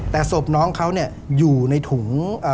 แต่ศพน้องเขาอยู่ในถุง